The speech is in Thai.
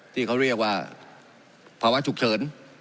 ที่เขาเรียกว่าภาวะฉุกเฉิน